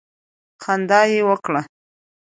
خندا یې وکړه.